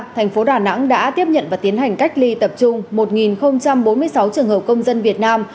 thành phố đà nẵng đã tiếp nhận và tiến hành cách ly tập trung một bốn mươi sáu trường hợp công dân việt nam